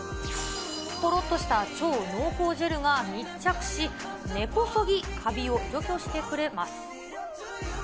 とろっとした超濃厚ジェルが密着し、根こそぎかびを除去してくれます。